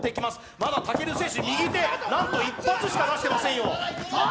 まだ武尊選手、右手１発しか出してませんよ。